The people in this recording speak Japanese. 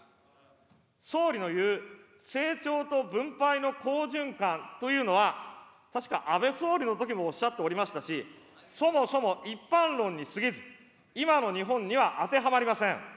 総理の言う成長と分配の好循環というのは、確か安倍総理のときもおっしゃっておりましたし、そもそも一般論にすぎず、今の日本には当てはまりません。